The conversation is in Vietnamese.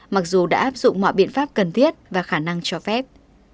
mặc dù đã áp dụng mọi biện pháp cần thiết và khả năng cho phép